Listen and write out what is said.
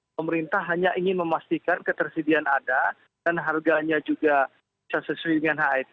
pemerintah hanya ingin memastikan ketersediaan ada dan harganya juga bisa sesuai dengan het